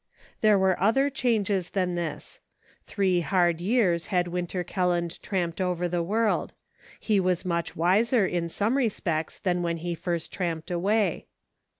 There were other changes than this. Three hard years had Winter Kelland tramped over the world ; he was much wiser, in some respects, than when he first tramped away.